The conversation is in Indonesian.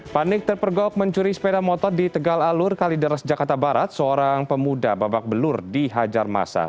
panik terpergok mencuri sepeda motor di tegal alur kalideres jakarta barat seorang pemuda babak belur dihajar masa